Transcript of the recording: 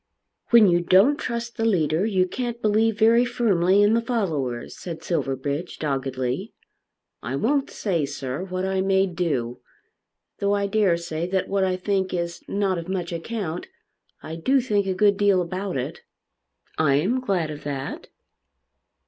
"When you don't trust the leader, you can't believe very firmly in the followers," said Silverbridge doggedly. "I won't say, sir, what I may do. Though I dare say that what I think is not of much account, I do think a good deal about it." "I am glad of that."